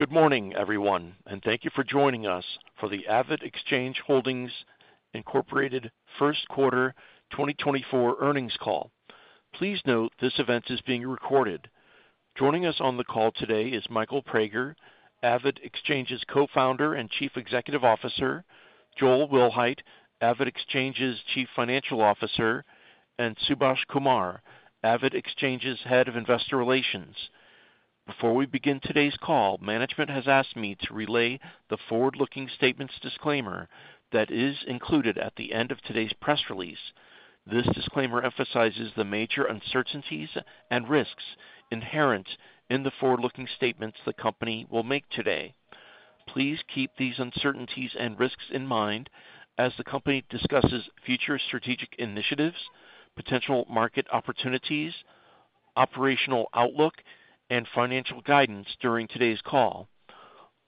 Good morning, everyone, and thank you for joining us for the AvidXchange Holdings, Incorporated, first quarter 2024 earnings call. Please note this event is being recorded. Joining us on the call today is Michael Praeger, AvidXchange's co-founder and Chief Executive Officer, Joel Wilhite, AvidXchange's Chief Financial Officer, and Subhash Kumar, AvidXchange's Head of Investor Relations. Before we begin today's call, management has asked me to relay the forward-looking statements disclaimer that is included at the end of today's press release. This disclaimer emphasizes the major uncertainties and risks inherent in the forward-looking statements the company will make today. Please keep these uncertainties and risks in mind as the company discusses future strategic initiatives, potential market opportunities, operational outlook, and financial guidance during today's call.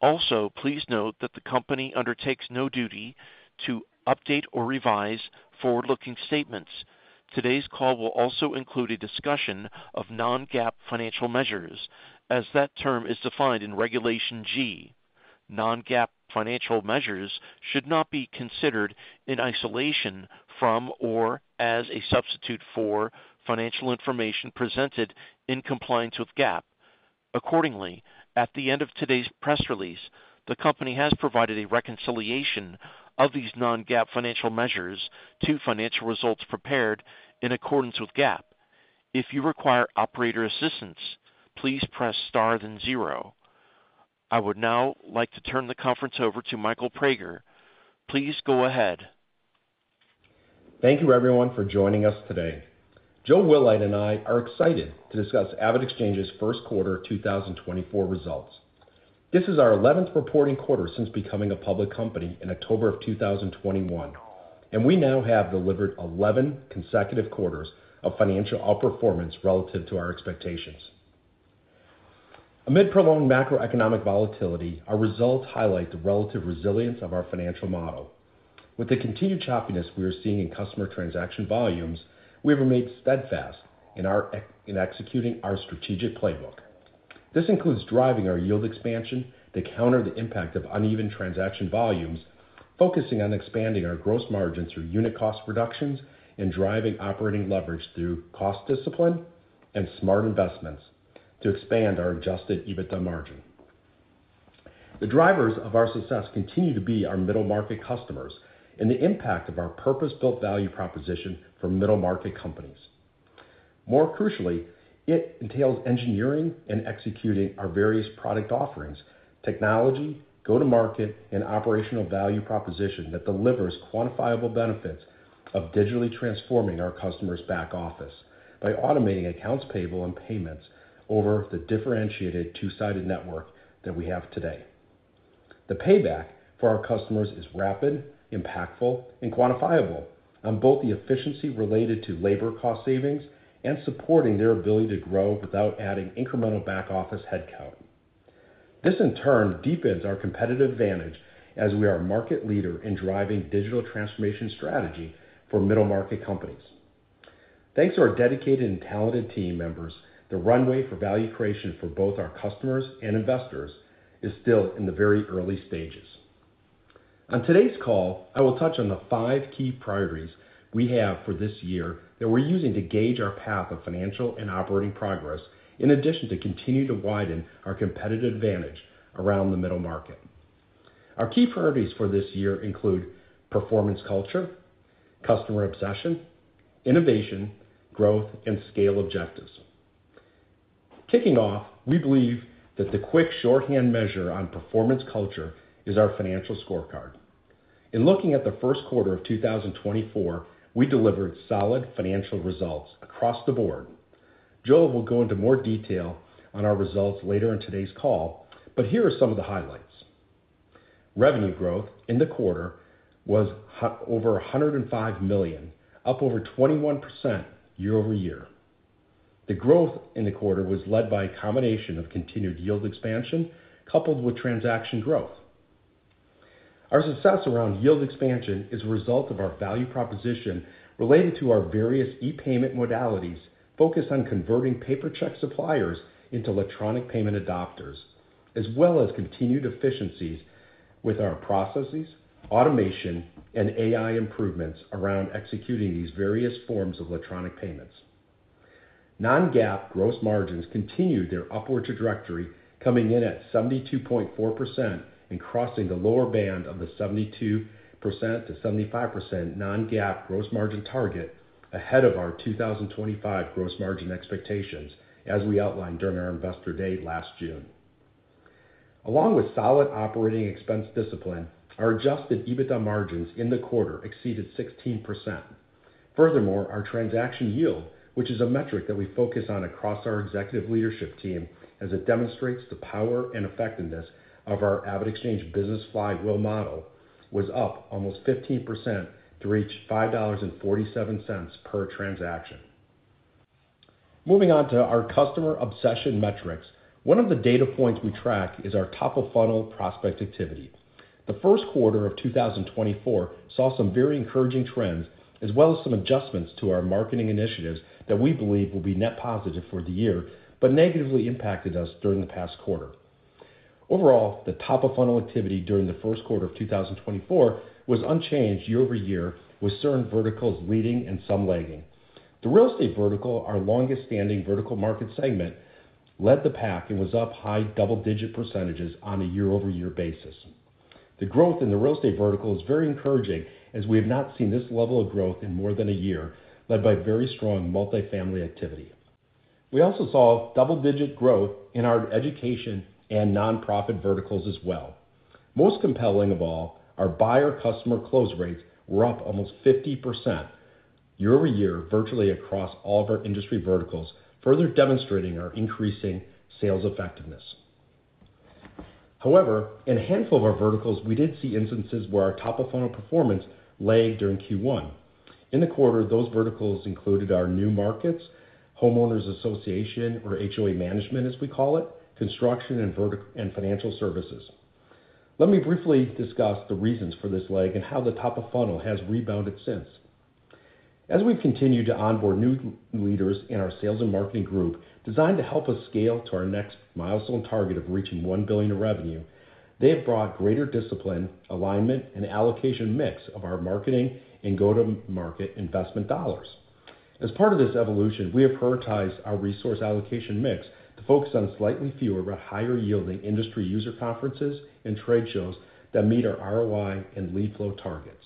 Also, please note that the company undertakes no duty to update or revise forward-looking statements. Today's call will also include a discussion of non-GAAP financial measures, as that term is defined in Regulation G. Non-GAAP financial measures should not be considered in isolation from or as a substitute for financial information presented in compliance with GAAP. Accordingly, at the end of today's press release, the company has provided a reconciliation of these non-GAAP financial measures to financial results prepared in accordance with GAAP. If you require operator assistance, please press star, then zero. I would now like to turn the conference over to Michael Praeger. Please go ahead. Thank you, everyone, for joining us today. Joel Wilhite and I are excited to discuss AvidXchange's first quarter 2024 results. This is our 11th reporting quarter since becoming a public company in October of 2021, and we now have delivered 11 consecutive quarters of financial outperformance relative to our expectations. Amid prolonged macroeconomic volatility, our results highlight the relative resilience of our financial model. With the continued choppiness we are seeing in customer transaction volumes, we have remained steadfast in executing our strategic playbook. This includes driving our yield expansion to counter the impact of uneven transaction volumes, focusing on expanding our gross margins through unit cost reductions and driving operating leverage through cost discipline and smart investments to expand our adjusted EBITDA margin. The drivers of our success continue to be our middle market customers and the impact of our purpose-built value proposition for middle market companies. More crucially, it entails engineering and executing our various product offerings, technology, go-to-market, and operational value proposition that delivers quantifiable benefits of digitally transforming our customers' back office by automating accounts payable and payments over the differentiated two-sided network that we have today. The payback for our customers is rapid, impactful, and quantifiable on both the efficiency related to labor cost savings and supporting their ability to grow without adding incremental back office headcount. This, in turn, deepens our competitive advantage as we are a market leader in driving digital transformation strategy for middle market companies. Thanks to our dedicated and talented team members, the runway for value creation for both our customers and investors is still in the very early stages. On today's call, I will touch on the five key priorities we have for this year that we're using to gauge our path of financial and operating progress in addition to continue to widen our competitive advantage around the middle market. Our key priorities for this year include performance culture, customer obsession, innovation, growth, and scale objectives. Kicking off, we believe that the quick shorthand measure on performance culture is our financial scorecard. In looking at the first quarter of 2024, we delivered solid financial results across the board. Joel will go into more detail on our results later in today's call, but here are some of the highlights. Revenue growth in the quarter was over $105 million, up over 21% year-over-year. The growth in the quarter was led by a combination of continued yield expansion coupled with transaction growth. Our success around yield expansion is a result of our value proposition related to our various e-payment modalities focused on converting paper check suppliers into electronic payment adopters, as well as continued efficiencies with our processes, automation, and AI improvements around executing these various forms of electronic payments. Non-GAAP gross margins continued their upward trajectory, coming in at 72.4% and crossing the lower band of the 72%-75% non-GAAP gross margin target ahead of our 2025 gross margin expectations, as we outlined during our investor day last June. Along with solid operating expense discipline, our adjusted EBITDA margins in the quarter exceeded 16%. Furthermore, our transaction yield, which is a metric that we focus on across our executive leadership team as it demonstrates the power and effectiveness of our AvidXchange Business Flywheel model, was up almost 15% to reach $5.47 per transaction. Moving on to our customer obsession metrics, one of the data points we track is our top-of-funnel prospect activity. The first quarter of 2024 saw some very encouraging trends as well as some adjustments to our marketing initiatives that we believe will be net positive for the year but negatively impacted us during the past quarter. Overall, the top-of-funnel activity during the first quarter of 2024 was unchanged year-over-year, with certain verticals leading and some lagging. The real estate vertical, our longest-standing vertical market segment, led the pack and was up high double-digit percentages on a year-over-year basis. The growth in the real estate vertical is very encouraging as we have not seen this level of growth in more than a year, led by very strong multifamily activity. We also saw double-digit growth in our education and nonprofit verticals as well. Most compelling of all, our buyer-customer close rates were up almost 50% year-over-year virtually across all of our industry verticals, further demonstrating our increasing sales effectiveness. However, in a handful of our verticals, we did see instances where our top-of-funnel performance lagged during Q1. In the quarter, those verticals included our new markets, homeowners' association or HOA management as we call it, construction, and financial services. Let me briefly discuss the reasons for this lag and how the top-of-funnel has rebounded since. As we've continued to onboard new leaders in our sales and marketing group designed to help us scale to our next milestone target of reaching $1 billion in revenue, they have brought greater discipline, alignment, and allocation mix of our marketing and go-to-market investment dollars. As part of this evolution, we have prioritized our resource allocation mix to focus on slightly fewer but higher-yielding industry user conferences and trade shows that meet our ROI and lead flow targets.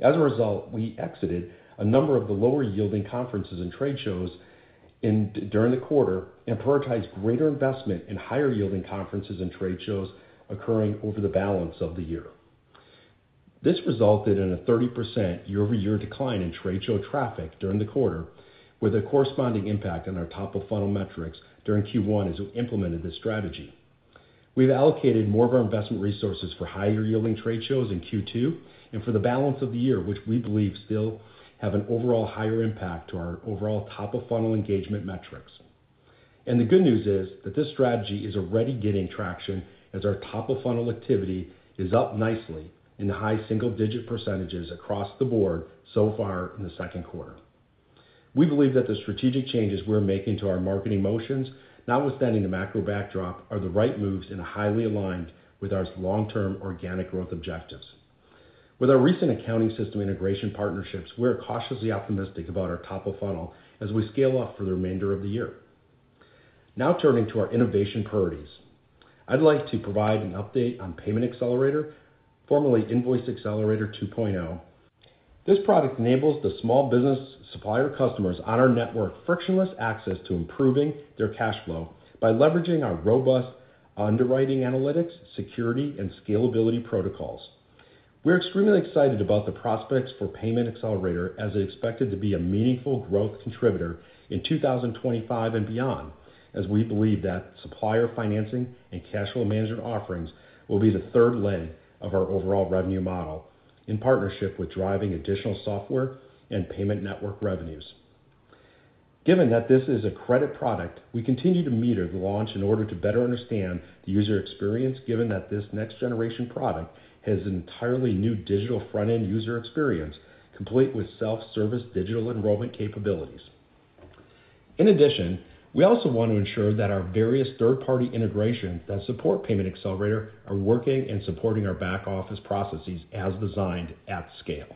As a result, we exited a number of the lower-yielding conferences and trade shows during the quarter and prioritized greater investment in higher-yielding conferences and trade shows occurring over the balance of the year. This resulted in a 30% year-over-year decline in trade show traffic during the quarter, with a corresponding impact on our top-of-funnel metrics during Q1 as we implemented this strategy. We've allocated more of our investment resources for higher-yielding trade shows in Q2 and for the balance of the year, which we believe still have an overall higher impact to our overall top-of-funnel engagement metrics. The good news is that this strategy is already getting traction as our top-of-funnel activity is up nicely in the high single-digit percentages across the board so far in the second quarter. We believe that the strategic changes we're making to our marketing motions, notwithstanding the macro backdrop, are the right moves and highly aligned with our long-term organic growth objectives. With our recent accounting system integration partnerships, we're cauti`ously optimistic about our top-of-funnel as we scale off for the remainder of the year. Now turning to our innovation priorities, I'd like to provide an update on Payment Accelerator, formerly Invoice Accelerator 2.0. This product enables the small business supplier customers on our network frictionless access to improving their cash flow by leveraging our robust underwriting analytics, security, and scalability protocols. We're extremely excited about the prospects for Payment Accelerator as expected to be a meaningful growth contributor in 2025 and beyond, as we believe that supplier financing and cash flow management offerings will be the third leg of our overall revenue model in partnership with driving additional software and payment network revenues. Given that this is a credit product, we continue to meter the launch in order to better understand the user experience, given that this next-generation product has an entirely new digital front-end user experience complete with self-service digital enrollment capabilities. In addition, we also want to ensure that our various third-party integrations that support Payment Accelerator are working and supporting our back office processes as designed at scale.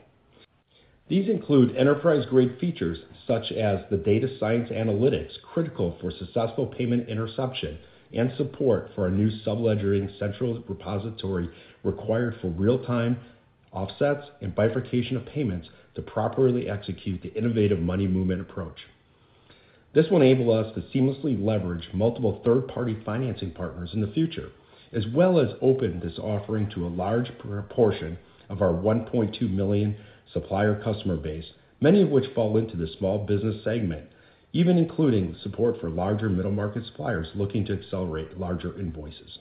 These include enterprise-grade features such as the data science analytics critical for successful payment interception and support for our new subledgering central repository required for real-time offsets and bifurcation of payments to properly execute the innovative money movement approach. This will enable us to seamlessly leverage multiple third-party financing partners in the future, as well as open this offering to a large proportion of our 1.2 million supplier customer base, many of which fall into the small business segment, even including support for larger middle market suppliers looking to accelerate larger invoices.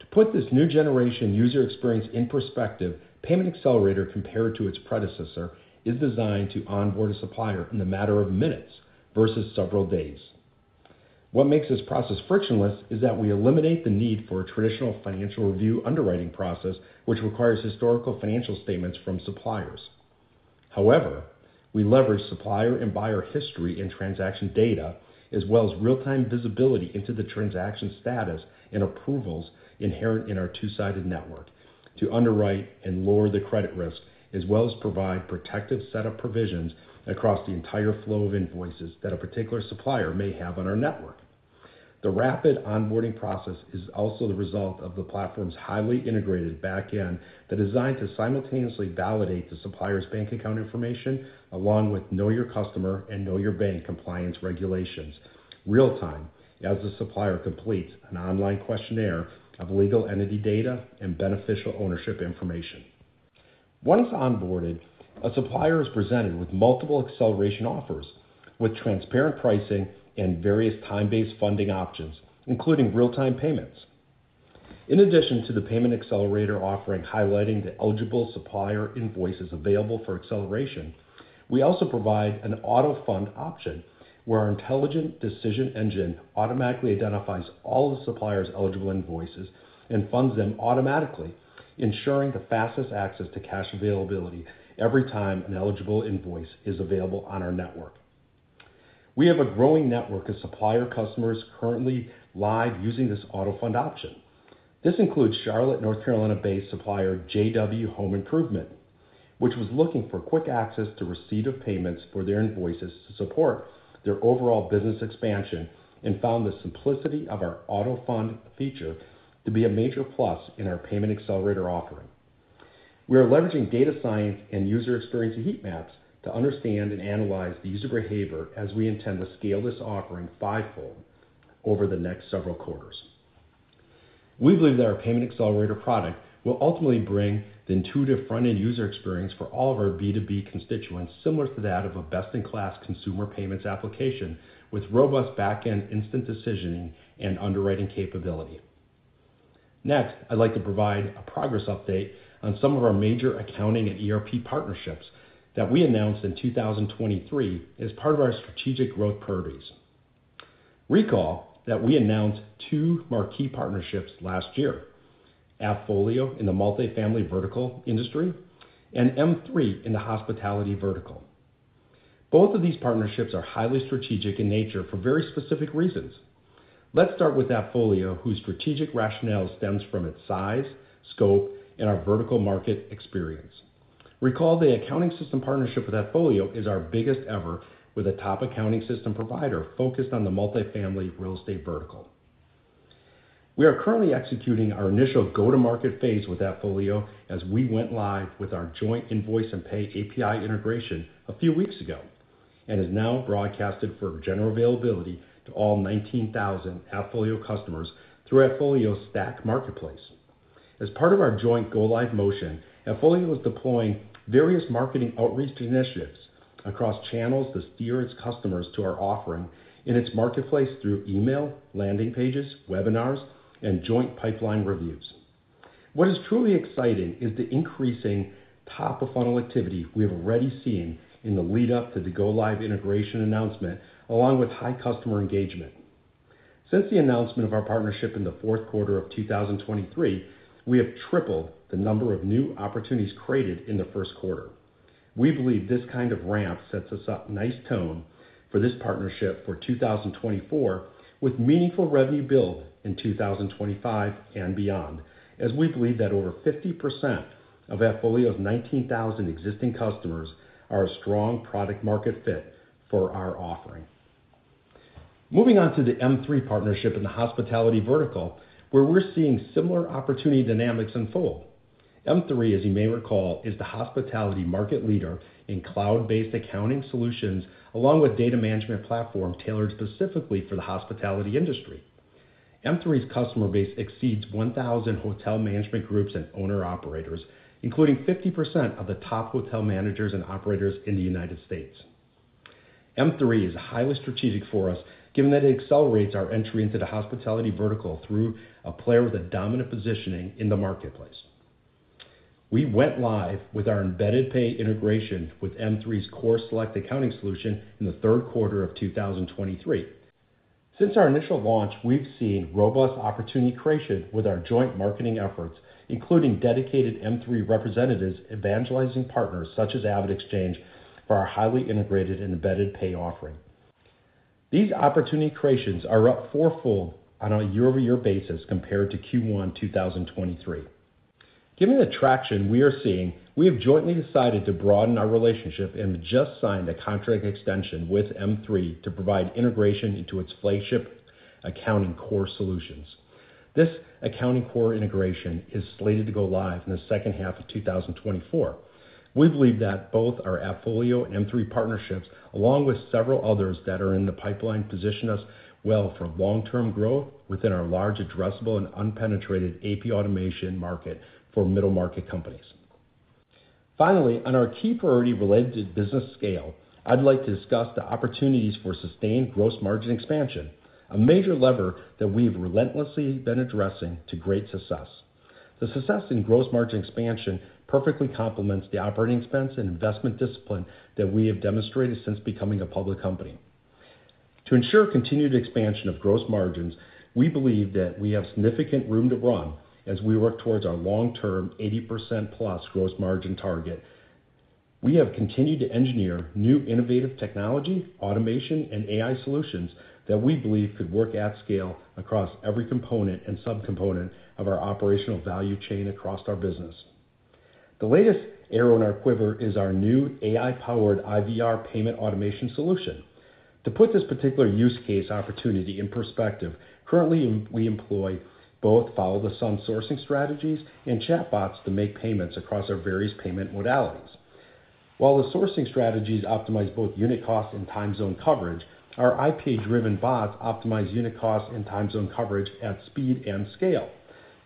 To put this new generation user experience in perspective, Payment Accelerator, compared to its predecessor, is designed to onboard a supplier in the matter of minutes versus several days. What makes this process frictionless is that we eliminate the need for a traditional financial review underwriting process, which requires historical financial statements from suppliers. However, we leverage supplier and buyer history and transaction data, as well as real-time visibility into the transaction status and approvals inherent in our two-sided network to underwrite and lower the credit risk, as well as provide protective setup provisions across the entire flow of invoices that a particular supplier may have on our network. The rapid onboarding process is also the result of the platform's highly integrated backend that is designed to simultaneously validate the supplier's bank account information along with Know Your Customer and Know Your Bank compliance regulations real-time as the supplier completes an online questionnaire of legal entity data and beneficial ownership information. Once onboarded, a supplier is presented with multiple acceleration offers with transparent pricing and various time-based funding options, including real-time payments. In addition to the Payment Accelerator offering highlighting the eligible supplier invoices available for acceleration, we also provide an auto-fund option where our intelligent decision engine automatically identifies all of the suppliers' eligible invoices and funds them automatically, ensuring the fastest access to cash availability every time an eligible invoice is available on our network. We have a growing network of supplier customers currently live using this auto-fund option. This includes Charlotte, North Carolina-based supplier JW Home Improvement, which was looking for quick access to receipt of payments for their invoices to support their overall business expansion and found the simplicity of our auto-fund feature to be a major plus in our Payment Accelerator offering. We are leveraging data science and user experience heat maps to understand and analyze the user behavior as we intend to scale this offering fivefold over the next several quarters. We believe that our Payment Accelerator product will ultimately bring the intuitive front-end user experience for all of our B2B constituents similar to that of a best-in-class consumer payments application with robust backend instant decisioning and underwriting capability. Next, I'd like to provide a progress update on some of our major accounting and ERP partnerships that we announced in 2023 as part of our strategic growth priorities. Recall that we announced two marquee partnerships last year: AppFolio in the multifamily vertical industry and M3 in the hospitality vertical. Both of these partnerships are highly strategic in nature for very specific reasons. Let's start with AppFolio, whose strategic rationale stems from its size, scope, and our vertical market experience. Recall the accounting system partnership with AppFolio is our biggest ever with a top accounting system provider focused on the multifamily real estate vertical. We are currently executing our initial go-to-market phase with AppFolio as we went live with our joint invoice and pay API integration a few weeks ago and is now broadcasted for general availability to all 19,000 AppFolio customers through AppFolio's Stack Marketplace. As part of our joint go-live motion, AppFolio is deploying various marketing outreach initiatives across channels to steer its customers to our offering in its marketplace through email, landing pages, webinars, and joint pipeline reviews. What is truly exciting is the increasing top-of-funnel activity we have already seen in the lead-up to the go-live integration announcement, along with high customer engagement. Since the announcement of our partnership in the fourth quarter of 2023, we have tripled the number of new opportunities created in the first quarter. We believe this kind of ramp sets us up nice tone for this partnership for 2024, with meaningful revenue build in 2025 and beyond, as we believe that over 50% of AppFolio's 19,000 existing customers are a strong product-market fit for our offering. Moving on to the M3 partnership in the hospitality vertical, where we're seeing similar opportunity dynamics unfold. M3, as you may recall, is the hospitality market leader in cloud-based accounting solutions along with data management platforms tailored specifically for the hospitality industry. M3's customer base exceeds 1,000 hotel management groups and owner-operators, including 50% of the top hotel managers and operators in the United States. M3 is highly strategic for us, given that it accelerates our entry into the hospitality vertical through a player with a dominant positioning in the marketplace. We went live with our embedded pay integration with M3's CoreSelect accounting solution in the third quarter of 2023. Since our initial launch, we've seen robust opportunity creation with our joint marketing efforts, including dedicated M3 representatives evangelizing partners such as AvidXchange for our highly integrated and embedded pay offering. These opportunity creations are up fourfold on a year-over-year basis compared to Q1 2023. Given the traction we are seeing, we have jointly decided to broaden our relationship and just signed a contract extension with M3 to provide integration into its flagship Accounting Core solutions. This Accounting Core integration is slated to go live in the second half of 2024. We believe that both our AppFolio and M3 partnerships, along with several others that are in the pipeline, position us well for long-term growth within our large addressable and unpenetrated AP automation market for middle market companies. Finally, on our key priority related to business scale, I'd like to discuss the opportunities for sustained gross margin expansion, a major lever that we have relentlessly been addressing to great success. The success in gross margin expansion perfectly complements the operating expense and investment discipline that we have demonstrated since becoming a public company. To ensure continued expansion of gross margins, we believe that we have significant room to run as we work towards our long-term 80%+ gross margin target. We have continued to engineer new innovative technology, automation, and AI solutions that we believe could work at scale across every component and subcomponent of our operational value chain across our business. The latest arrow in our quiver is our new AI-powered IVR payment automation solution. To put this particular use case opportunity in perspective, currently we employ both follow-the-sun sourcing strategies and chatbots to make payments across our various payment modalities. While the sourcing strategies optimize both unit cost and time zone coverage, our IPA-driven bots optimize unit cost and time zone coverage at speed and scale.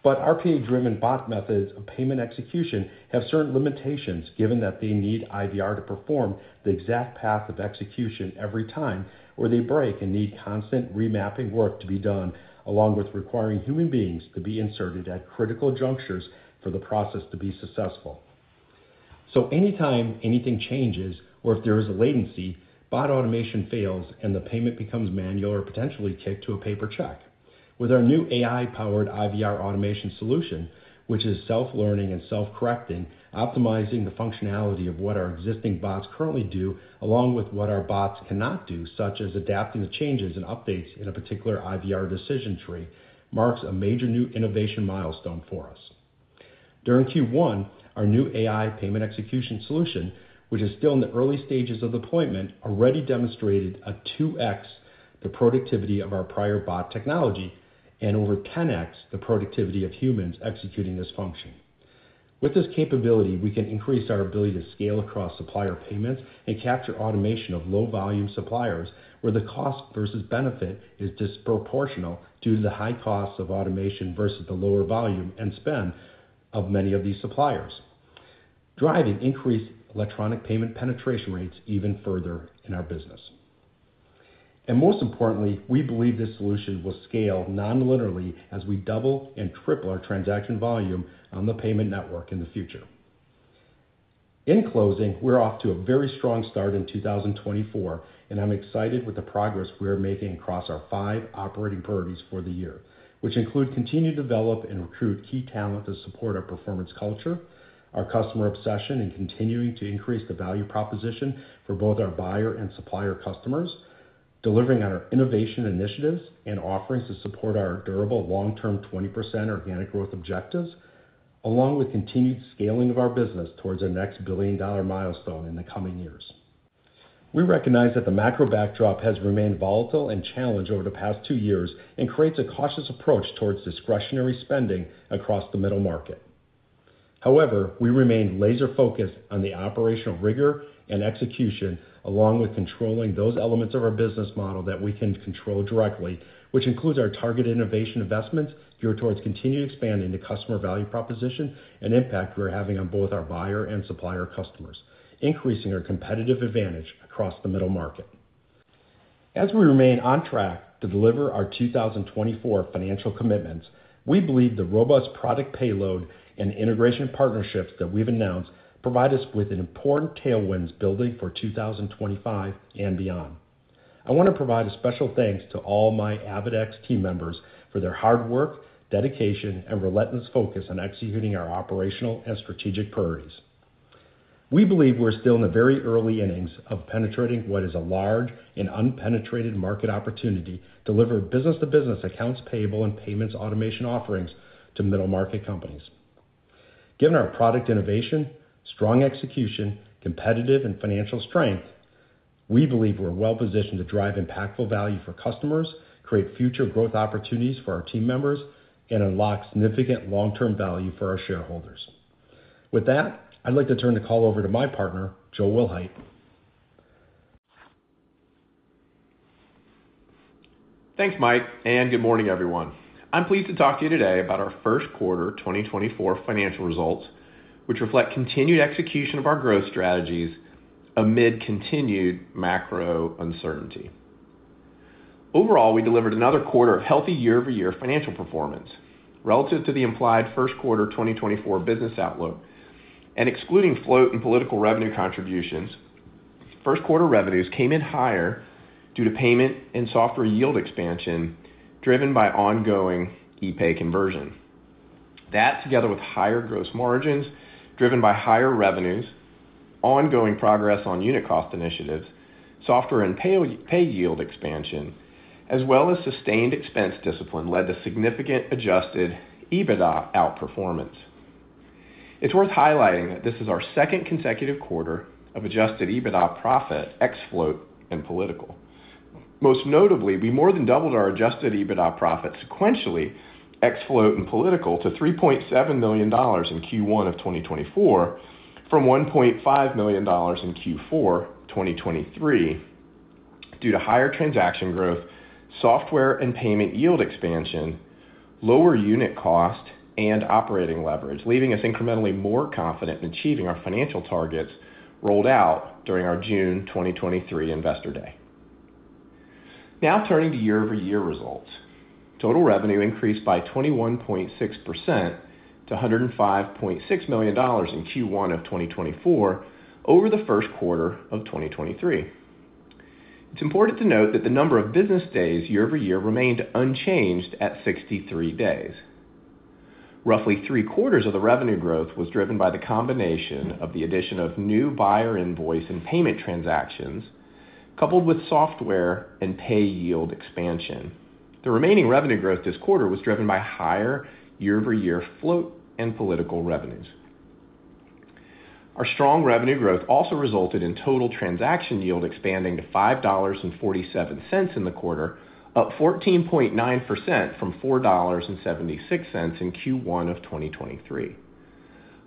But RPA-driven bot methods of payment execution have certain limitations, given that they need IVR to perform the exact path of execution every time where they break and need constant remapping work to be done, along with requiring human beings to be inserted at critical junctures for the process to be successful. So anytime anything changes or if there is a latency, bot automation fails and the payment becomes manual or potentially kicked to a paper check. With our new AI-powered IVR automation solution, which is self-learning and self-correcting, optimizing the functionality of what our existing bots currently do, along with what our bots cannot do, such as adapting to changes and updates in a particular IVR decision tree, marks a major new innovation milestone for us. During Q1, our new AI payment execution solution, which is still in the early stages of deployment, already demonstrated 2x the productivity of our prior bot technology and over 10x the productivity of humans executing this function. With this capability, we can increase our ability to scale across supplier payments and capture automation of low-volume suppliers where the cost versus benefit is disproportional due to the high costs of automation versus the lower volume and spend of many of these suppliers, driving increased electronic payment penetration rates even further in our business. And most importantly, we believe this solution will scale non-linearly as we double and triple our transaction volume on the payment network in the future. In closing, we're off to a very strong start in 2024, and I'm excited with the progress we're making across our five operating priorities for the year, which include continuing to develop and recruit key talent to support our performance culture, our customer obsession in continuing to increase the value proposition for both our buyer and supplier customers, delivering on our innovation initiatives and offerings to support our durable long-term 20% organic growth objectives, along with continued scaling of our business towards our next billion-dollar milestone in the coming years. We recognize that the macro backdrop has remained volatile and challenged over the past two years and creates a cautious approach towards discretionary spending across the middle market. However, we remain laser-focused on the operational rigor and execution, along with controlling those elements of our business model that we can control directly, which includes our targeted innovation investments geared towards continued expanding the customer value proposition and impact we're having on both our buyer and supplier customers, increasing our competitive advantage across the middle market. As we remain on track to deliver our 2024 financial commitments, we believe the robust product payload and integration partnerships that we've announced provide us with important tailwinds building for 2025 and beyond. I want to provide a special thanks to all my AvidXchange team members for their hard work, dedication, and relentless focus on executing our operational and strategic priorities. We believe we're still in the very early innings of penetrating what is a large and unpenetrated market opportunity to deliver business-to-business accounts payable and payments automation offerings to middle market companies. Given our product innovation, strong execution, competitive, and financial strength, we believe we're well-positioned to drive impactful value for customers, create future growth opportunities for our team members, and unlock significant long-term value for our shareholders. With that, I'd like to turn the call over to my partner, Joel Wilhite. Thanks, Mike, and good morning, everyone. I'm pleased to talk to you today about our first quarter 2024 financial results, which reflect continued execution of our growth strategies amid continued macro uncertainty. Overall, we delivered another quarter of healthy year-over-year financial performance relative to the implied first quarter 2024 business outlook. Excluding float and political revenue contributions, first quarter revenues came in higher due to payment and software yield expansion driven by ongoing e-pay conversion. That, together with higher gross margins driven by higher revenues, ongoing progress on unit cost initiatives, software and pay yield expansion, as well as sustained expense discipline led to significant Adjusted EBITDA outperformance. It's worth highlighting that this is our second consecutive quarter of Adjusted EBITDA profit, ex-float, and political. Most notably, we more than doubled our Adjusted EBITDA profit sequentially, ex-float, and political, to $3.7 million in Q1 of 2024 from $1.5 million in Q4 2023 due to higher transaction growth, software and payment yield expansion, lower unit cost, and operating leverage, leaving us incrementally more confident in achieving our financial targets rolled out during our June 2023 investor day. Now turning to year-over-year results. Total revenue increased by 21.6% to $105.6 million in Q1 of 2024 over the first quarter of 2023. It's important to note that the number of business days year-over-year remained unchanged at 63 days. Roughly three-quarters of the revenue growth was driven by the combination of the addition of new buyer invoice and payment transactions coupled with software and pay yield expansion. The remaining revenue growth this quarter was driven by higher year-over-year float and political revenues. Our strong revenue growth also resulted in total transaction yield expanding to $5.47 in the quarter, up 14.9% from $4.76 in Q1 of 2023.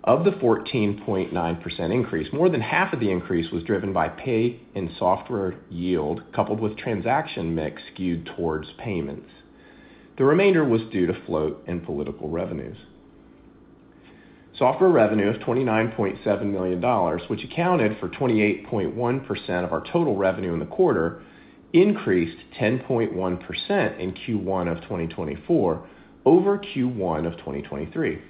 Of the 14.9% increase, more than half of the increase was driven by pay and software yield coupled with transaction mix skewed towards payments. The remainder was due to float and political revenues. Software revenue of $29.7 million, which accounted for 28.1% of our total revenue in the quarter, increased 10.1% in Q1 of 2024 over Q1 of 2023.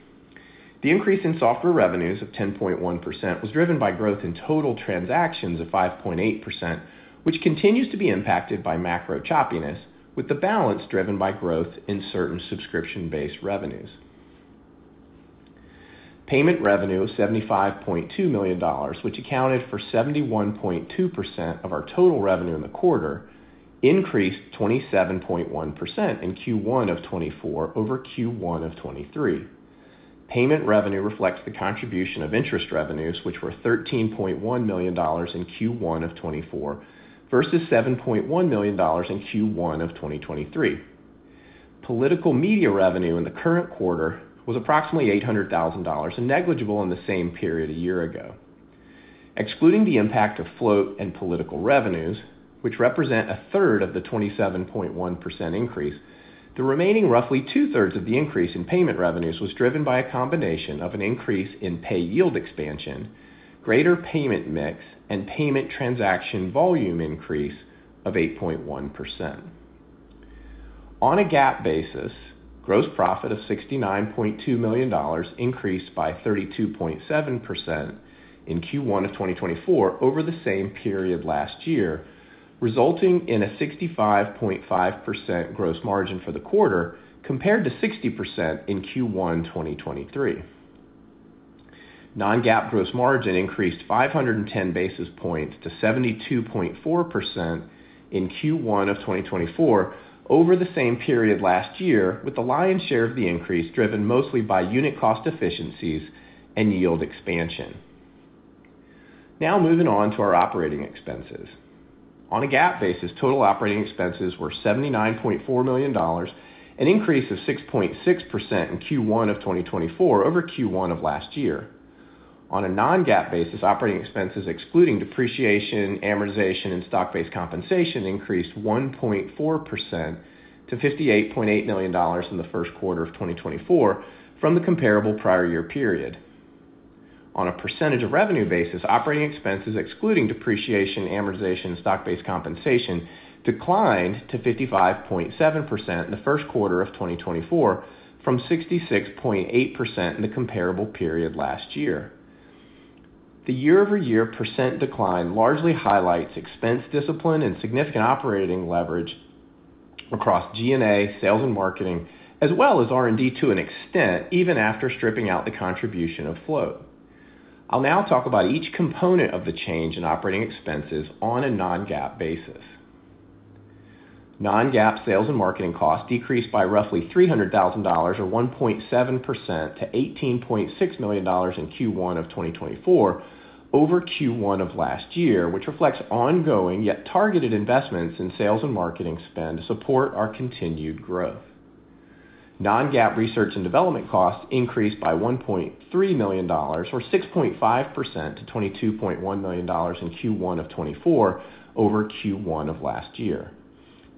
The increase in software revenues of 10.1% was driven by growth in total transactions of 5.8%, which continues to be impacted by macro choppiness, with the balance driven by growth in certain subscription-based revenues. Payment revenue of $75.2 million, which accounted for 71.2% of our total revenue in the quarter, increased 27.1% in Q1 of 2024 over Q1 of 2023. Payment revenue reflects the contribution of interest revenues, which were $13.1 million in Q1 of 2024 versus $7.1 million in Q1 of 2023. Political media revenue in the current quarter was approximately $800,000, negligible in the same period a year ago. Excluding the impact of float and political revenues, which represent a third of the 27.1% increase, the remaining roughly 2/3 of the increase in payment revenues was driven by a combination of an increase in pay yield expansion, greater payment mix, and payment transaction volume increase of 8.1%. On a GAAP basis, gross profit of $69.2 million increased by 32.7% in Q1 of 2024 over the same period last year, resulting in a 65.5% gross margin for the quarter compared to 60% in Q1 2023. Non-GAAP gross margin increased 510 basis points to 72.4% in Q1 of 2024 over the same period last year, with the lion's share of the increase driven mostly by unit cost efficiencies and yield expansion. Now moving on to our operating expenses. On a GAAP basis, total operating expenses were $79.4 million, an increase of 6.6% in Q1 of 2024 over Q1 of last year. On a non-GAAP basis, operating expenses excluding depreciation, amortization, and stock-based compensation increased 1.4% to $58.8 million in the first quarter of 2024 from the comparable prior year period. On a percentage of revenue basis, operating expenses excluding depreciation, amortization, and stock-based compensation declined to 55.7% in the first quarter of 2024 from 66.8% in the comparable period last year. The year-over-year percent decline largely highlights expense discipline and significant operating leverage across G&A, sales and marketing, as well as R&D to an extent, even after stripping out the contribution of float. I'll now talk about each component of the change in operating expenses on a non-GAAP basis. Non-GAAP sales and marketing costs decreased by roughly $300,000 or 1.7% to $18.6 million in Q1 of 2024 over Q1 of last year, which reflects ongoing yet targeted investments in sales and marketing spend to support our continued growth. Non-GAAP research and development costs increased by $1.3 million or 6.5% to $22.1 million in Q1 of 2024 over Q1 of last year.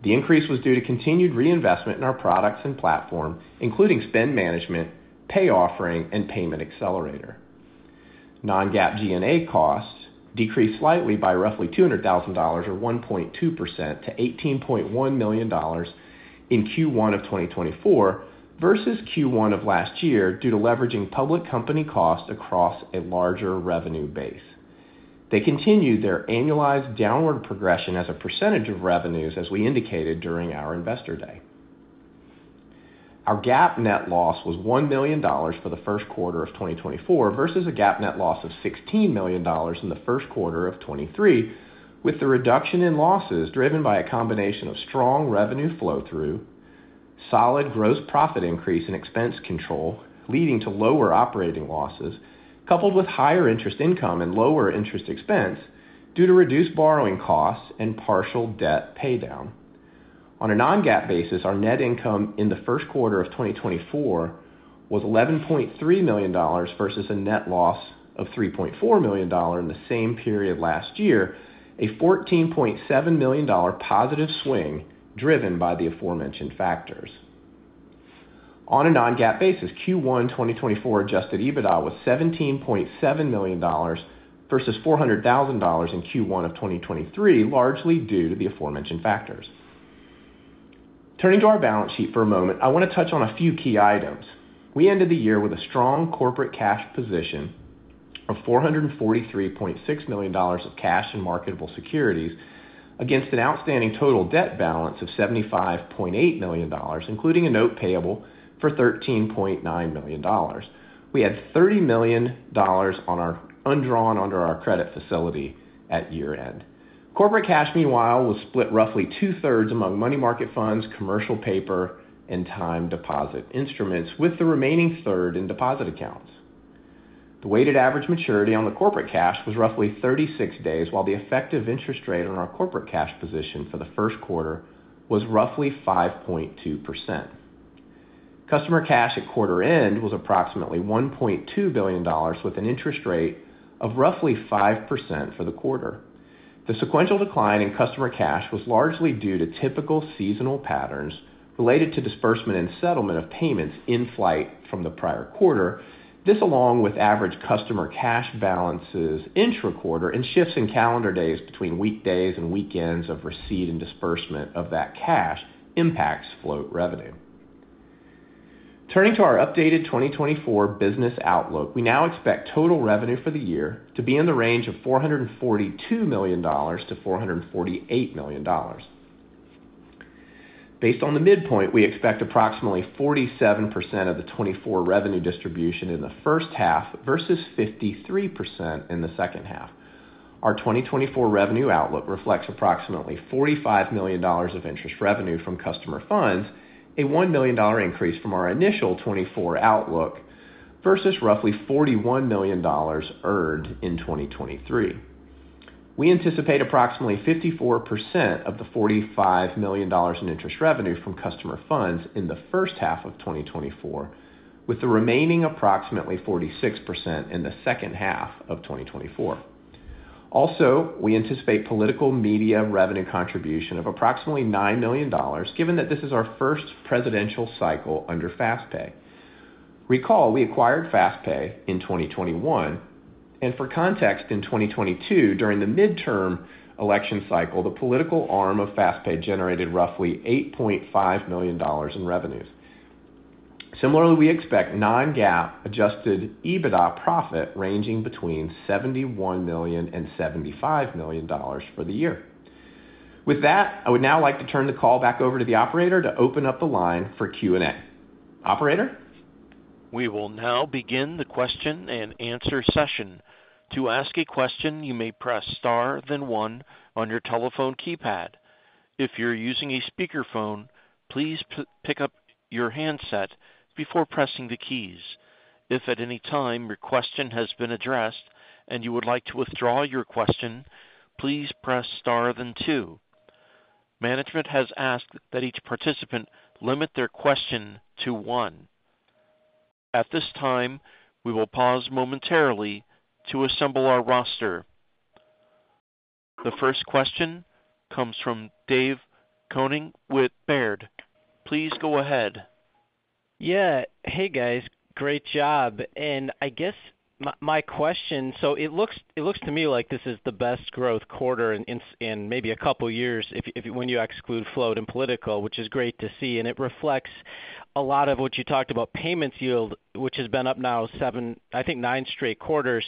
The increase was due to continued reinvestment in our products and platform, including spend management, pay offering, and Payment Accelerator. Non-GAAP G&A costs decreased slightly by roughly $200,000 or 1.2% to $18.1 million in Q1 of 2024 versus Q1 of last year due to leveraging public company costs across a larger revenue base. They continued their annualized downward progression as a percentage of revenues, as we indicated during our investor day. Our GAAP net loss was $1 million for the first quarter of 2024 versus a GAAP net loss of $16 million in the first quarter of 2023, with the reduction in losses driven by a combination of strong revenue flow-through, solid gross profit increase in expense control leading to lower operating losses, coupled with higher interest income and lower interest expense due to reduced borrowing costs and partial debt paydown. On a non-GAAP basis, our net income in the first quarter of 2024 was $11.3 million versus a net loss of $3.4 million in the same period last year, a $14.7 million positive swing driven by the aforementioned factors. On a non-GAAP basis, Q1 2024 adjusted EBITDA was $17.7 million versus $400,000 in Q1 of 2023, largely due to the aforementioned factors. Turning to our balance sheet for a moment, I want to touch on a few key items. We ended the year with a strong corporate cash position of $443.6 million of cash and marketable securities against an outstanding total debt balance of $75.8 million, including a note payable for $13.9 million. We had $30 million undrawn under our credit facility at year-end. Corporate cash, meanwhile, was split roughly 2/3 among money market funds, commercial paper, and time deposit instruments, with the remaining third in deposit accounts. The weighted average maturity on the corporate cash was roughly 36 days, while the effective interest rate on our corporate cash position for the first quarter was roughly 5.2%. Customer cash at quarter-end was approximately $1.2 billion, with an interest rate of roughly 5% for the quarter. The sequential decline in customer cash was largely due to typical seasonal patterns related to disbursement and settlement of payments in flight from the prior quarter. This, along with average customer cash balances intra-quarter and shifts in calendar days between weekdays and weekends of receipt and disbursement of that cash, impacts float revenue. Turning to our updated 2024 business outlook, we now expect total revenue for the year to be in the range of $442 million-$448 million. Based on the midpoint, we expect approximately 47% of the 2024 revenue distribution in the first half versus 53% in the second half. Our 2024 revenue outlook reflects approximately $45 million of interest revenue from customer funds, a $1 million increase from our initial 2024 outlook versus roughly $41 million earned in 2023. We anticipate approximately 54% of the $45 million in interest revenue from customer funds in the first half of 2024, with the remaining approximately 46% in the second half of 2024. Also, we anticipate political media revenue contribution of approximately $9 million, given that this is our first presidential cycle under FastPay. Recall, we acquired FastPay in 2021. And for context, in 2022, during the midterm election cycle, the political arm of FastPay generated roughly $8.5 million in revenues. Similarly, we expect non-GAAP adjusted EBITDA profit ranging between $71 million and $75 million for the year. With that, I would now like to turn the call back over to the operator to open up the line for Q&A. Operator? We will now begin the question and answer session. To ask a question, you may press star then one on your telephone keypad. If you're using a speakerphone, please pick up your handset before pressing the keys. If at any time your question has been addressed and you would like to withdraw your question, please press star then two. Management has asked that each participant limit their question to one. At this time, we will pause momentarily to assemble our roster. The first question comes from David Koning with Baird. Please go ahead. Yeah. Hey, guys. Great job. And I guess my question so it looks to me like this is the best growth quarter in maybe a couple of years when you exclude float and political, which is great to see. And it reflects a lot of what you talked about, payments yield, which has been up now seven, I think, nine straight quarters.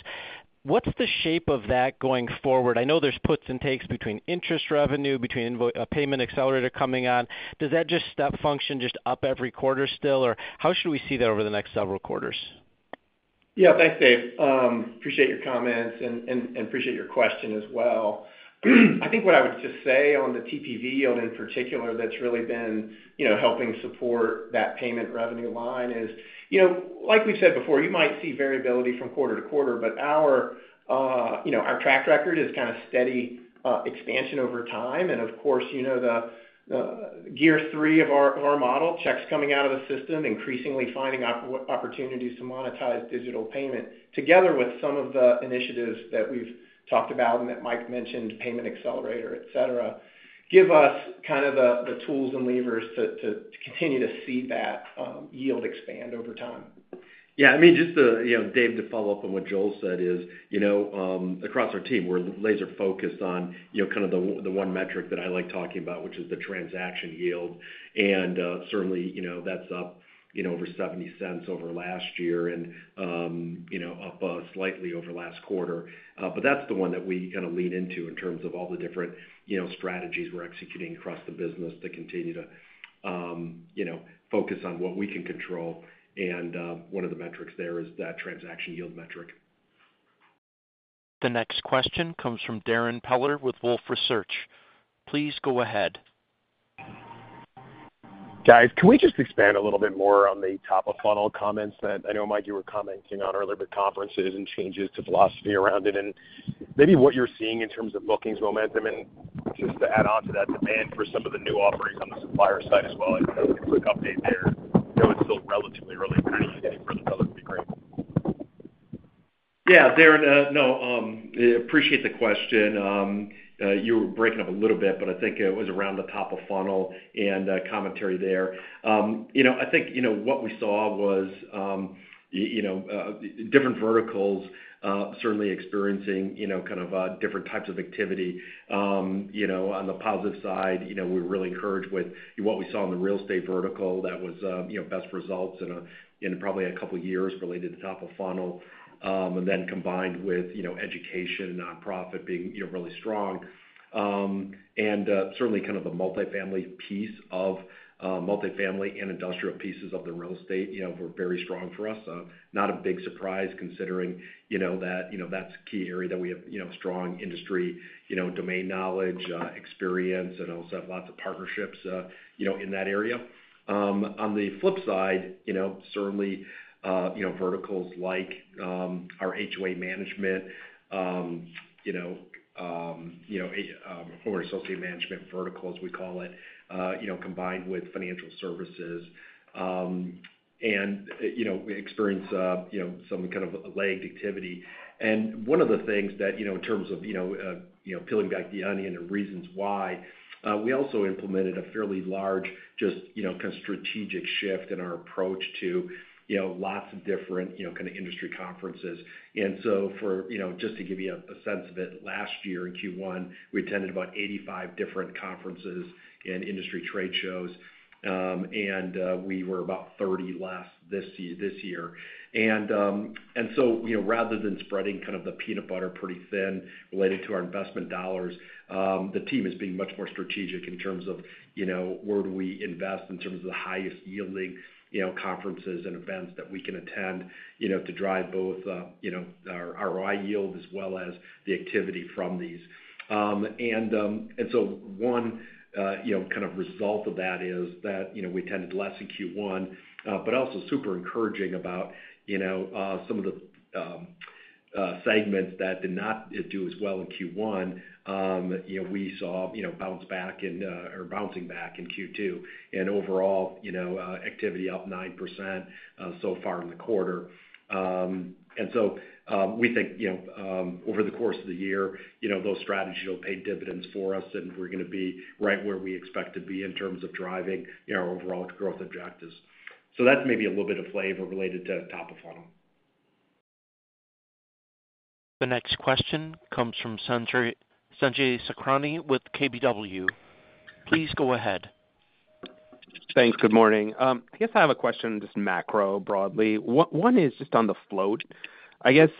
What's the shape of that going forward? I know there's puts and takes between interest revenue, between a payment accelerator coming on. Does that just step function just up every quarter still, or how should we see that over the next several quarters? Yeah. Thanks, Dave. Appreciate your comments and appreciate your question as well. I think what I would just say on the TPV yield in particular that's really been helping support that payment revenue line is, like we've said before, you might see variability from quarter to quarter, but our track record is kind of steady expansion over time. And of course, the gear three of our model, checks coming out of the system, increasingly finding opportunities to monetize digital payment, together with some of the initiatives that we've talked about and that Mike mentioned, Payment Accelerator, etc., give us kind of the tools and levers to continue to see that yield expand over time. Yeah. I mean, just Dave, to follow up on what Joel said is, across our team, we're laser-focused on kind of the one metric that I like talking about, which is the transaction yield. And certainly, that's up over $0.70 over last year and up slightly over last quarter. But that's the one that we kind of lean into in terms of all the different strategies we're executing across the business to continue to focus on what we can control. And one of the metrics there is that transaction yield metric. The next question comes from Darrin Peller with Wolfe Research. Please go ahead. Guys, can we just expand a little bit more on the top-of-funnel comments that I know Mike you were commenting on earlier with conferences and changes to philosophy around it and maybe what you're seeing in terms of bookings momentum? Just to add on to that, demand for some of the new offerings on the supplier side as well. I think a quick update there. I know it's still relatively early, but anything further from you would be great. Yeah, Darrin. No, I appreciate the question. You were breaking up a little bit, but I think it was around the top-of-funnel and commentary there. I think what we saw was different verticals certainly experiencing kind of different types of activity. On the positive side, we were really encouraged with what we saw in the real estate vertical that was best results in probably a couple of years related to top-of-funnel and then combined with education and nonprofit being really strong. And certainly, kind of the multifamily piece of multifamily and industrial pieces of the real estate were very strong for us. Not a big surprise considering that that's a key area that we have strong industry domain knowledge, experience, and also have lots of partnerships in that area. On the flip side, certainly, verticals like our HOA management or association management vertical, as we call it, combined with financial services, and we experience some kind of a lagged activity. One of the things that, in terms of peeling back the onion and reasons why, we also implemented a fairly large, just kind of strategic shift in our approach to lots of different kind of industry conferences. So just to give you a sense of it, last year in Q1, we attended about 85 different conferences and industry trade shows, and we were about 30 less this year. And so rather than spreading kind of the peanut butter pretty thin related to our investment dollars, the team is being much more strategic in terms of where do we invest in terms of the highest yielding conferences and events that we can attend to drive both our ROI yield as well as the activity from these. And so one kind of result of that is that we attended less in Q1, but also super encouraging about some of the segments that did not do as well in Q1, we saw bounce back in or bouncing back in Q2 and overall activity up 9% so far in the quarter. And so we think over the course of the year, those strategies will pay dividends for us, and we're going to be right where we expect to be in terms of driving our overall growth objectives. That's maybe a little bit of flavor related to top-of-funnel. The next question comes from Sanjay Sakhrani with KBW. Please go ahead. Thanks. Good morning. I guess I have a question just macro broadly. One is just on the float. I guess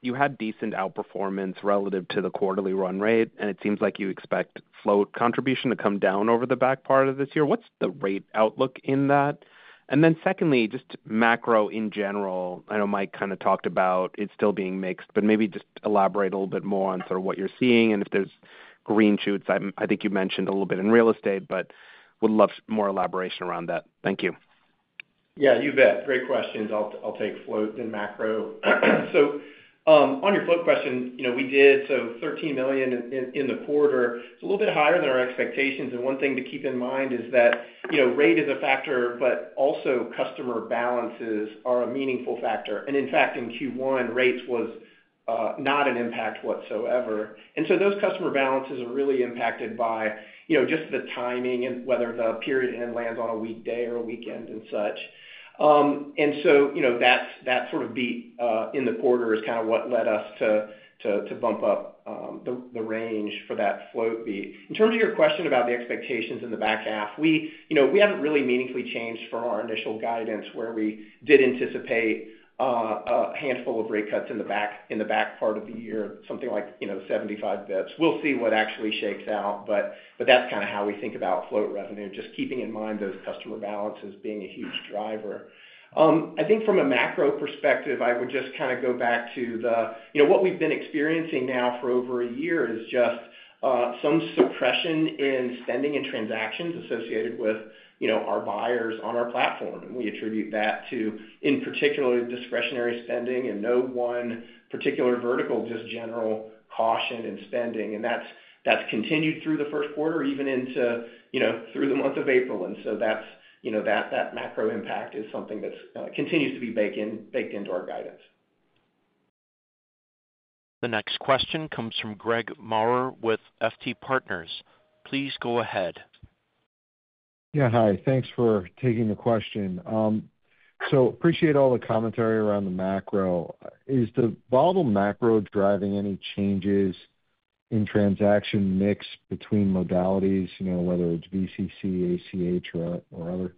you had decent outperformance relative to the quarterly run rate, and it seems like you expect float contribution to come down over the back part of this year. What's the rate outlook in that? And then secondly, just macro in general, I know Mike kind of talked about it still being mixed, but maybe just elaborate a little bit more on sort of what you're seeing and if there's green shoots. I think you mentioned a little bit in real estate, but would love more elaboration around that. Thank you. Yeah, you bet. Great questions. I'll take float then macro. So on your float question, we did $13 million in the quarter. It's a little bit higher than our expectations. And one thing to keep in mind is that rate is a factor, but also customer balances are a meaningful factor. And in fact, in Q1, rates was not an impact whatsoever. And so those customer balances are really impacted by just the timing and whether the period end lands on a weekday or a weekend and such. And so that sort of beat in the quarter is kind of what led us to bump up the range for that float beat. In terms of your question about the expectations in the back half, we haven't really meaningfully changed for our initial guidance where we did anticipate a handful of rate cuts in the back part of the year, something like 75 basis points. We'll see what actually shakes out, but that's kind of how we think about float revenue, just keeping in mind those customer balances being a huge driver. I think from a macro perspective, I would just kind of go back to the what we've been experiencing now for over a year is just some suppression in spending and transactions associated with our buyers on our platform. And we attribute that to, in particular, discretionary spending and no one particular vertical, just general caution and spending. And that's continued through the first quarter, even through the month of April. And so that macro impact is something that continues to be baked into our guidance. The next question comes from Craig Maurer with FT Partners. Please go ahead. Yeah. Hi. Thanks for taking the question. So appreciate all the commentary around the macro. Is the broader macro driving any changes in transaction mix between modalities, whether it's VCC, ACH, or other?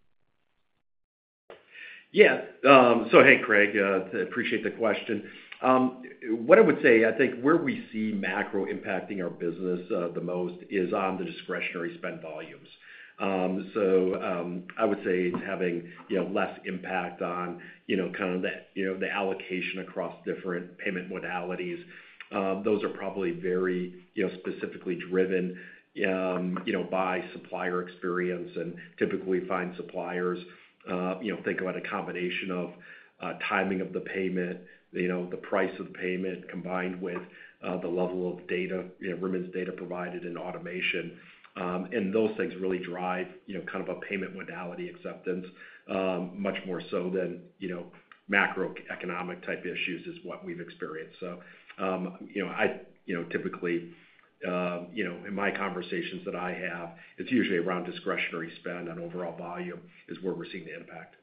Yeah. So hey, Craig, I appreciate the question. What I would say, I think where we see macro impacting our business the most is on the discretionary spend volumes. So I would say it's having less impact on kind of the allocation across different payment modalities. Those are probably very specifically driven by supplier experience, and typically, suppliers think about a combination of timing of the payment, the price of the payment combined with the level of remittances, data provided, and automation. And those things really drive kind of a payment modality acceptance much more so than macroeconomic type issues is what we've experienced. So typically, in my conversations that I have, it's usually around discretionary spend on overall volume is where we're seeing the impact.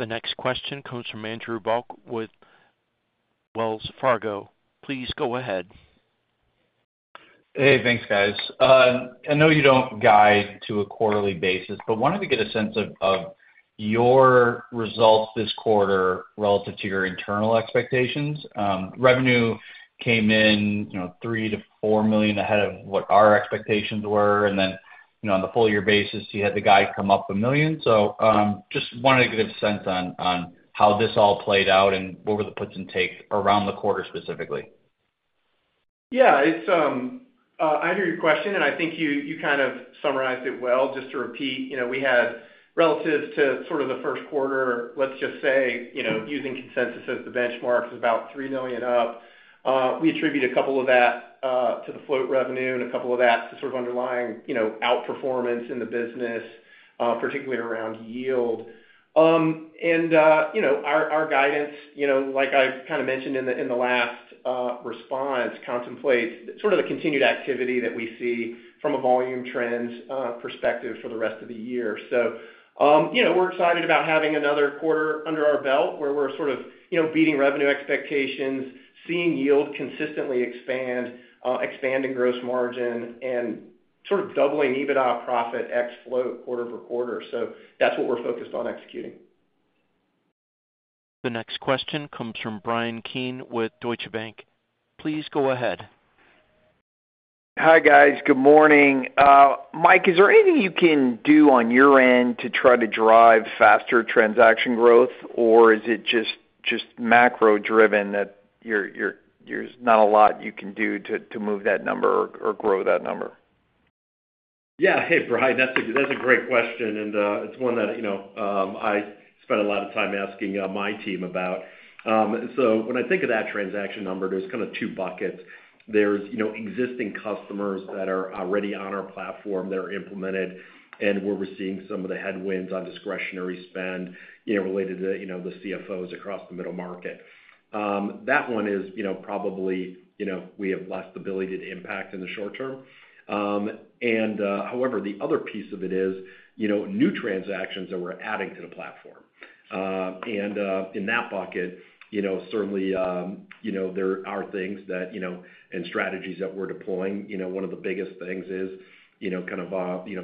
The next question comes from Andrew Bauch with Wells Fargo. Please go ahead. Hey. Thanks, guys. I know you don't guide to a quarterly basis, but wanted to get a sense of your results this quarter relative to your internal expectations. Revenue came in $3 million-$4 million ahead of what our expectations were. And then on the full-year basis, you had the guidance come up $1 million. So just wanted to get a sense on how this all played out and what were the puts and takes around the quarter specifically. Yeah. I hear your question, and I think you kind of summarized it well. Just to repeat, we had relative to sort of the first quarter, let's just say using consensus as the benchmark, is about $3 million up. We attribute a couple of that to the float revenue and a couple of that to sort of underlying outperformance in the business, particularly around yield. And our guidance, like I kind of mentioned in the last response, contemplates sort of the continued activity that we see from a volume trends perspective for the rest of the year. So we're excited about having another quarter under our belt where we're sort of beating revenue expectations, seeing yield consistently expand, expanding gross margin, and sort of doubling EBITDA profit ex-float quarter for quarter. So that's what we're focused on executing. The next question comes from Bryan Keane with Deutsche Bank. Please go ahead. Hi, guys. Good morning. Mike, is there anything you can do on your end to try to drive faster transaction growth, or is it just macro-driven that there's not a lot you can do to move that number or grow that number? Yeah. Hey, Bryan. That's a great question, and it's one that I spend a lot of time asking my team about. So when I think of that transaction number, there's kind of two buckets. There's existing customers that are already on our platform that are implemented, and we're seeing some of the headwinds on discretionary spend related to the CFOs across the middle market. That one is probably we have less ability to impact in the short term. And however, the other piece of it is new transactions that we're adding to the platform. And in that bucket, certainly, there are things and strategies that we're deploying. One of the biggest things is kind of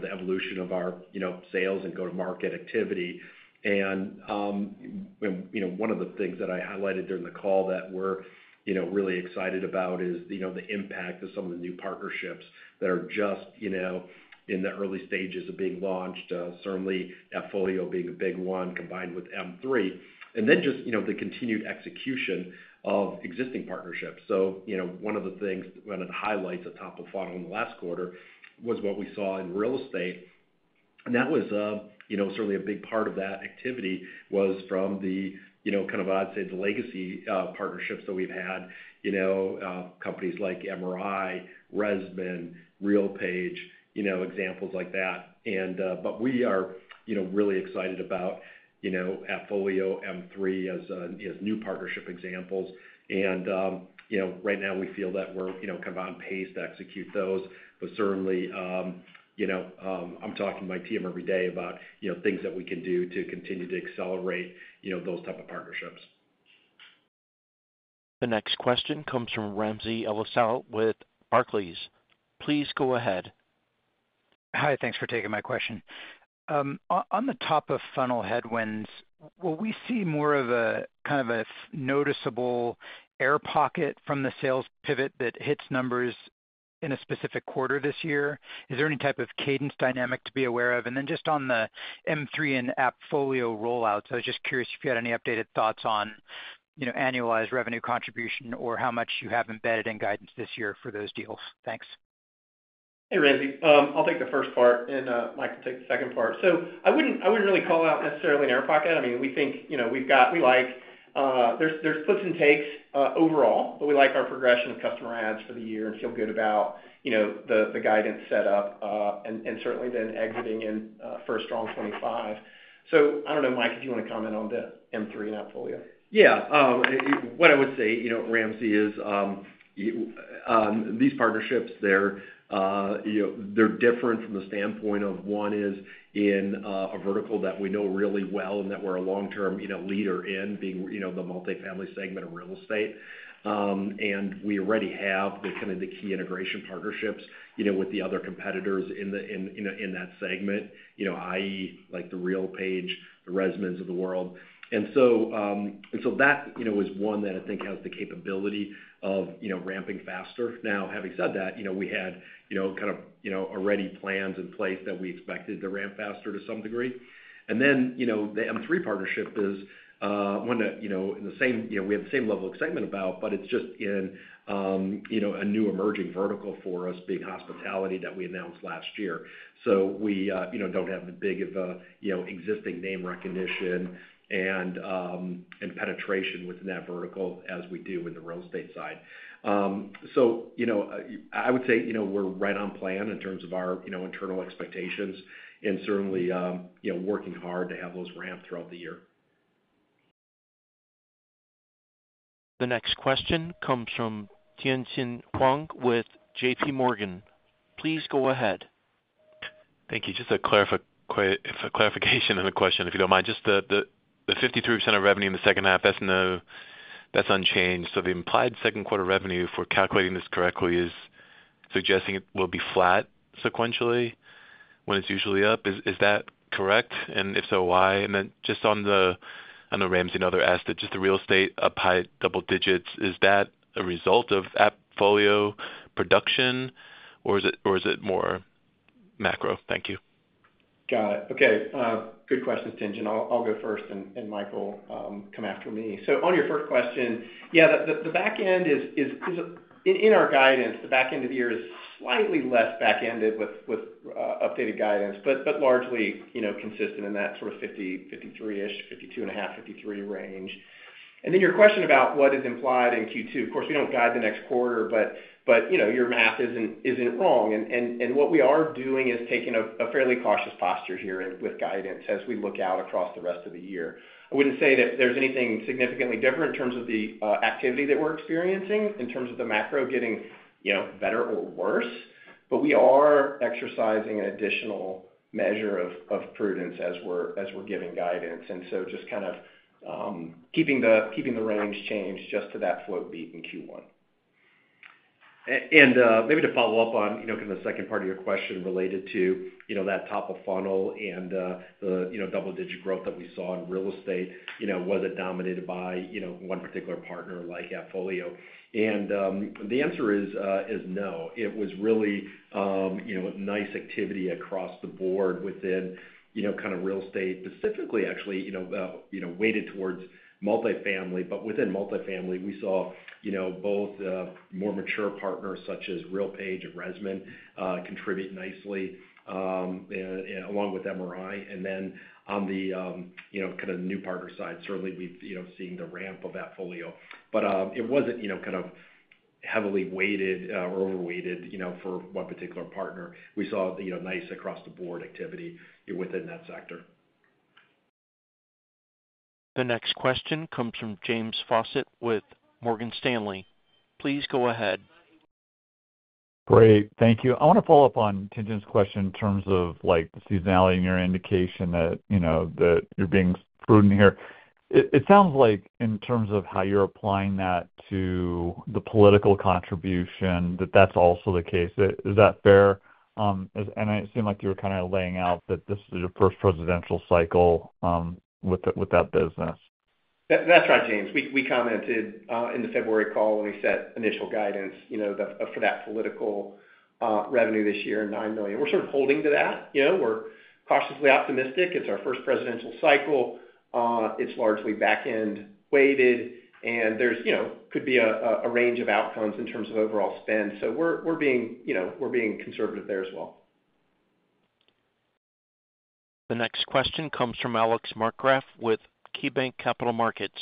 the evolution of our sales and go-to-market activity. One of the things that I highlighted during the call that we're really excited about is the impact of some of the new partnerships that are just in the early stages of being launched, certainly AppFolio being a big one combined with M3, and then just the continued execution of existing partnerships. So one of the things when it highlights a top-of-funnel in the last quarter was what we saw in real estate. And that was certainly a big part of that activity was from the kind of, I'd say, the legacy partnerships that we've had, companies like MRI, ResMan, RealPage, examples like that. But we are really excited about AppFolio, M3 as new partnership examples. And right now, we feel that we're kind of on pace to execute those. Certainly, I'm talking to my team every day about things that we can do to continue to accelerate those type of partnerships. The next question comes from Ramsey El-Assal with Barclays. Please go ahead. Hi. Thanks for taking my question. On the top-of-funnel headwinds, will we see more of a kind of a noticeable air pocket from the sales pivot that hits numbers in a specific quarter this year? Is there any type of cadence dynamic to be aware of? And then just on the M3 and AppFolio rollouts, I was just curious if you had any updated thoughts on annualized revenue contribution or how much you have embedded in guidance this year for those deals. Thanks. Hey, Ramsey. I'll take the first part, and Mike will take the second part. So I wouldn't really call out necessarily an air pocket. I mean, we think we've got we like there's puts and takes overall, but we like our progression of customer adds for the year and feel good about the guidance setup and certainly then exiting in Q1 strong 2025. So I don't know, Mike, if you want to comment on the M3 and AppFolio. Yeah. What I would say, Ramsey, is these partnerships, they're different from the standpoint of one is in a vertical that we know really well and that we're a long-term leader in being the multifamily segment of real estate. We already have kind of the key integration partnerships with the other competitors in that segment, i.e., like the RealPage, the ResMans of the world. So that is one that I think has the capability of ramping faster. Now, having said that, we had kind of already plans in place that we expected to ramp faster to some degree. Then the M3 partnership is one that in the same we have the same level of excitement about, but it's just in a new emerging vertical for us being hospitality that we announced last year. So we don't have as big of an existing name recognition and penetration within that vertical as we do in the real estate side. So I would say we're right on plan in terms of our internal expectations and certainly working hard to have those ramp throughout the year. The next question comes from Tien-Tsin Huang with JPMorgan. Please go ahead. Thank you. Just a clarification and a question, if you don't mind. Just the 53% of revenue in the second half, that's unchanged. So the implied second quarter revenue, if we're calculating this correctly, is suggesting it will be flat sequentially when it's usually up. Is that correct? And if so, why? And then just on the—I know Ramsey and other asked it. Just the real estate up high double digits, is that a result of AppFolio production, or is it more macro? Thank you. Got it. Okay. Good questions, Tien. I'll go first, and Michael come after me. So on your first question, yeah, the back end is in our guidance, the back end of the year is slightly less back-ended with updated guidance but largely consistent in that sort of 53-ish, 52.5, 53 range. And then your question about what is implied in Q2. Of course, we don't guide the next quarter, but your math isn't wrong. And what we are doing is taking a fairly cautious posture here with guidance as we look out across the rest of the year. I wouldn't say that there's anything significantly different in terms of the activity that we're experiencing in terms of the macro getting better or worse, but we are exercising an additional measure of prudence as we're giving guidance. And so just kind of keeping the range changed just to that float beat in Q1. And maybe to follow up on kind of the second part of your question related to that top-of-funnel and the double-digit growth that we saw in real estate, was it dominated by one particular partner like AppFolio? And the answer is no. It was really nice activity across the board within kind of real estate specifically, actually weighted towards multifamily. But within multifamily, we saw both more mature partners such as RealPage and ResMan contribute nicely along with MRI. And then on the kind of new partner side, certainly, we've seen the ramp of AppFolio. But it wasn't kind of heavily weighted or overweighted for one particular partner. We saw nice across-the-board activity within that sector. The next question comes from James Faucette with Morgan Stanley. Please go ahead. Great. Thank you. I want to follow up on Tien-Tsin's question in terms of seasonality and your indication that you're being prudent here. It sounds like in terms of how you're applying that to the political contribution, that that's also the case. Is that fair? And it seemed like you were kind of laying out that this is your first presidential cycle with that business. That's right, James. We commented in the February call when we set initial guidance for that political revenue this year, $9 million. We're sort of holding to that. We're cautiously optimistic. It's our first presidential cycle. It's largely back-end weighted, and there could be a range of outcomes in terms of overall spend. So we're being conservative there as well. The next question comes from Alex Markgraff with KeyBanc Capital Markets.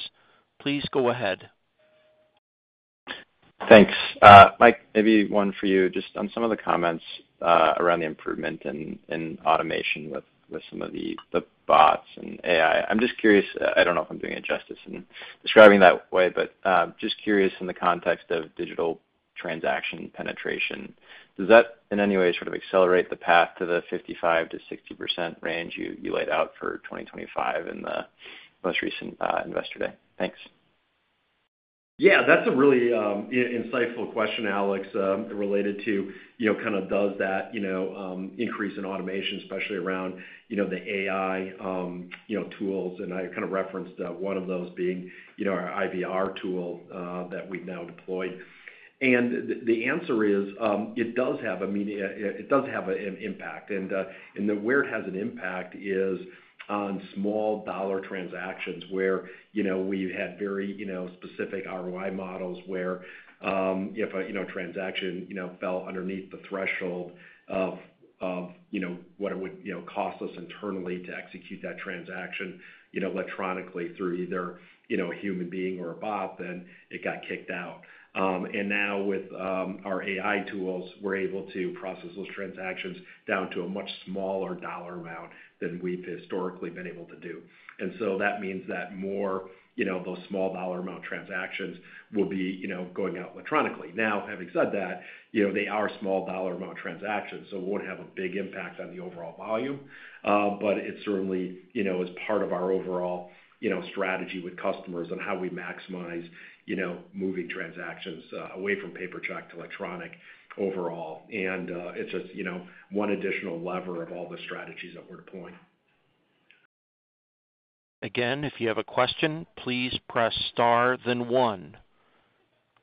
Please go ahead. Thanks. Mike, maybe one for you just on some of the comments around the improvement in automation with some of the bots and AI. I'm just curious, I don't know if I'm doing it justice in describing that way, but just curious in the context of digital transaction penetration, does that in any way sort of accelerate the path to the 55%-60% range you laid out for 2025 in the most recent Investor Day? Thanks. Yeah. That's a really insightful question, Alex, related to kind of does that increase in automation, especially around the AI tools. And I kind of referenced one of those being our IVR tool that we've now deployed. And the answer is it does have an impact. And where it has an impact is on small dollar transactions where we've had very specific ROI models where if a transaction fell underneath the threshold of what it would cost us internally to execute that transaction electronically through either a human being or a bot, then it got kicked out. And now with our AI tools, we're able to process those transactions down to a much smaller dollar amount than we've historically been able to do. And so that means that more of those small dollar amount transactions will be going out electronically. Now, having said that, they are small dollar amount transactions, so it won't have a big impact on the overall volume. But it certainly is part of our overall strategy with customers on how we maximize moving transactions away from paper check to electronic overall. And it's just one additional lever of all the strategies that we're deploying. Again, if you have a question, please press star, then one.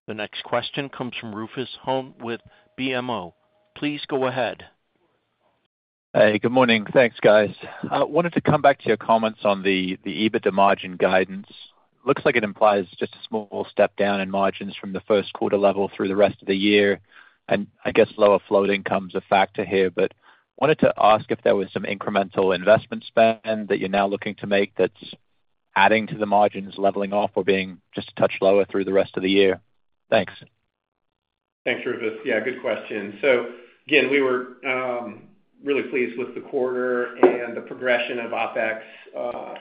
The next question comes from Rufus Hone with BMO. Please go ahead. Hey. Good morning. Thanks, guys. I wanted to come back to your comments on the EBITDA margin guidance. Looks like it implies just a small step down in margins from the first quarter level through the rest of the year. And I guess lower floating comes a factor here, but wanted to ask if there was some incremental investment spend that you're now looking to make that's adding to the margins, leveling off, or being just a touch lower through the rest of the year. Thanks. Thanks, Rufus. Yeah. Good question. So again, we were really pleased with the quarter and the progression of OpEx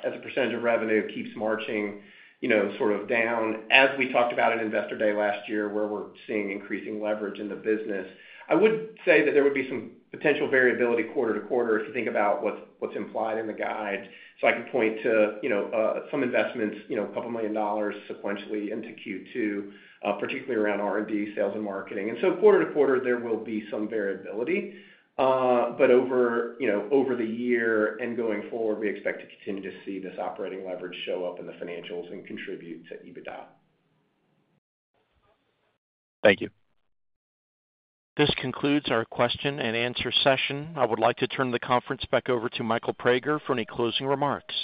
as a percentage of revenue keeps marching sort of down. As we talked about in Investor Day last year where we're seeing increasing leverage in the business, I would say that there would be some potential variability quarter to quarter if you think about what's implied in the guide. So I could point to some investments, $2 million sequentially into Q2, particularly around R&D, sales, and marketing. And so quarter-to-quarter, there will be some variability. But over the year and going forward, we expect to continue to see this operating leverage show up in the financials and contribute to EBITDA. Thank you. This concludes our question and answer session. I would like to turn the conference back over to Michael Praeger for any closing remarks.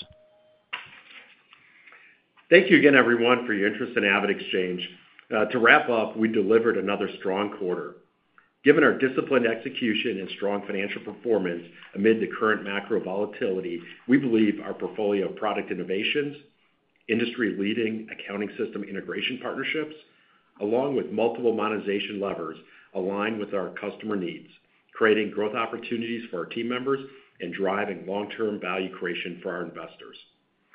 Thank you again, everyone, for your interest in AvidXchange. To wrap up, we delivered another strong quarter. Given our disciplined execution and strong financial performance amid the current macro volatility, we believe our portfolio of product innovations, industry-leading accounting system integration partnerships, along with multiple monetization levers, align with our customer needs, creating growth opportunities for our team members, and driving long-term value creation for our investors.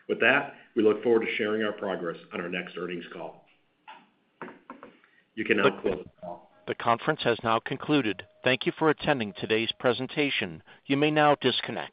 With that, we look forward to sharing our progress on our next earnings call. You can now close the call. The conference has now concluded. Thank you for attending today's presentation. You may now disconnect.